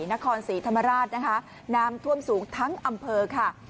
นครศรีธรรมราชนะคะน้ำท่วมสูงทั้งอำเภอค่ะ